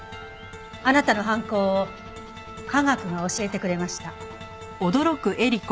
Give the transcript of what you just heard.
あなたの犯行を科学が教えてくれました。